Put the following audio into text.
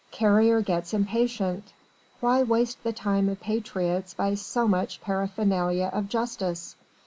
Carrier gets impatient. Why waste the time of patriots by so much paraphernalia of justice?